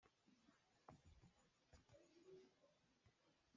Mah thil a cang dingmi hi a rak chim chung cang.